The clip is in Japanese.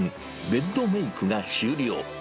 ベッドメイクが終了。